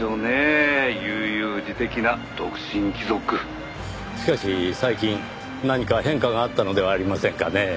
「悠々自適な独身貴族」しかし最近何か変化があったのではありませんかねぇ？